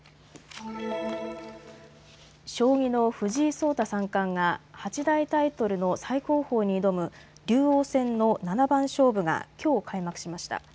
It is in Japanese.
将棋の藤井聡太三冠が八大タイトルの最高峰に挑む竜王戦の七番勝負がきょう開幕しました。